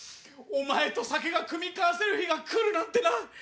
お前と酒が酌み交わせる日が来るなんてな。